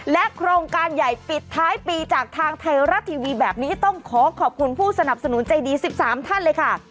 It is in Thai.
โครงการใหญ่ปิดท้ายปีจากทางไทยรัฐทีวีแบบนี้ต้องขอขอบคุณผู้สนับสนุนใจดี๑๓ท่านเลยค่ะ